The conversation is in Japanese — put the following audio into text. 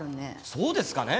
そうですかね？